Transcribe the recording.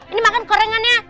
ini makan korengannya